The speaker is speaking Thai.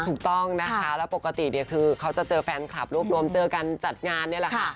ถูกต้องนะคะแล้วปกติเนี่ยคือเขาจะเจอแฟนคลับรวบรวมเจอกันจัดงานนี่แหละค่ะ